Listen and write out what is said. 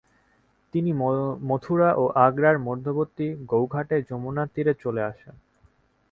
তিনি মথুরা ও আগ্রার মধ্যবর্তী গৌঘাটে যমুনার তীরে চলে আসেন।